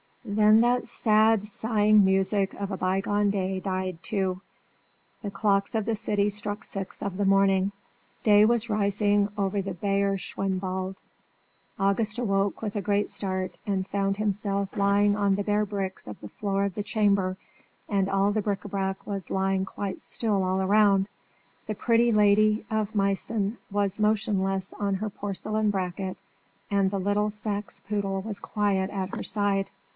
Then that sad, sighing music of a bygone day died too; the clocks of the city struck six of the morning; day was rising over the Bayerischenwald. August awoke with a great start, and found himself lying on the bare bricks of the floor of the chamber; and all the bric à brac was lying quite still all around. The pretty Lady of Meissen was motionless on her porcelain bracket, and the little Saxe poodle was quiet at her side.